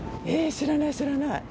知らない、知らない。